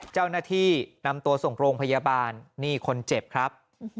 เจ้าหน้าที่นำตัวส่งโรงพยาบาลนี่คนเจ็บครับ